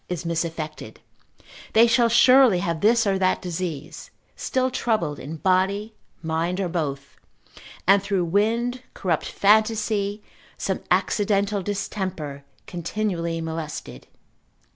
is misaffected, they shall surely have this or that disease; still troubled in body, mind, or both, and through wind, corrupt fantasy, some accidental distemper, continually molested.